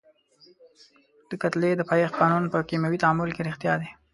د کتلې د پایښت قانون په کیمیاوي تعامل کې ریښتیا دی.